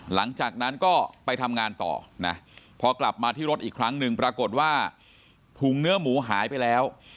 หลังจากนั้นก็ไปทำงานต่อนะพอกลับมาที่รถอีกครั้งหนึ่งปรากฏว่าถุงเนื้อหมูหายไปแล้ว